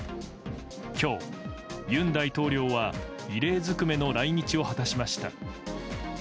今日、尹大統領は異例ずくめの来日を果たしました。